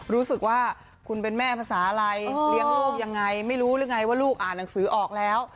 รู้สึกว่าคุณเป็นแม่ภาษาอะไรเลี้ยงลูกยังไงไม่รู้หรือไงว่าลูกอ่านหนังสือออกแล้ว